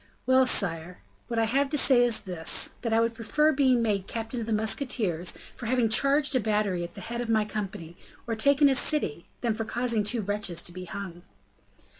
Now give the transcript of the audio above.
"Well, sire! what I have to say is this, that I would prefer being made captain of the musketeers for having charged a battery at the head of my company, or taken a city, than for causing two wretches to be hung."